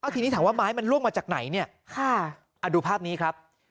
ทีนี้ถามว่าไม้มันล่วงมาจากไหนเนี่ยดูภาพนี้ครับ